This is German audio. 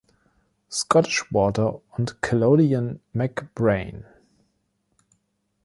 Scottish Water und Caledonian MacBrayne.